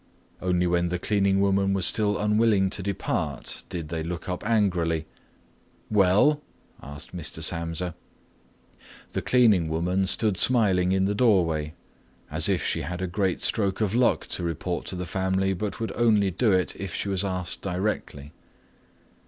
Only when the cleaning woman was still unwilling to depart, did they look up angrily. "Well?" asked Mr. Samsa. The cleaning woman stood smiling in the doorway, as if she had a great stroke of luck to report to the family but would only do it if she was asked directly.